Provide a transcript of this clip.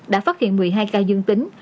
đã phát hiện một mươi hai ca dương tính